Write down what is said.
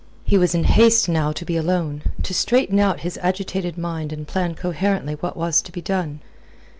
He was in haste now to be alone, to straighten out his agitated mind and plan coherently what was to be done.